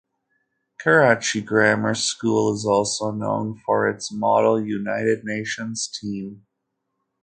Karachi Grammar School is also known for its Model United Nations team.